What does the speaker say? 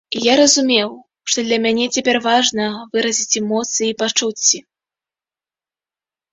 І я зразумеў, што для мяне цяпер важна выразіць эмоцыі і пачуцці.